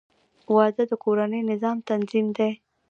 • واده د کورني نظام تنظیم دی.